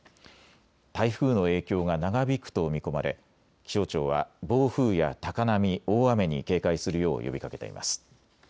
台風の影響が長引くと見込まれ気象庁は暴風や高波、大雨に警戒するよう呼びかけています。